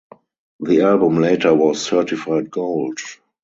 The album later was certified gold.